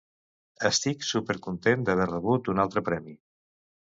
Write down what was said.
Estic súper content d'haver rebut un altre premi!